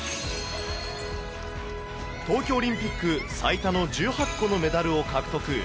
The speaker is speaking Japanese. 東京オリンピック最多の１８個のメダルを獲得。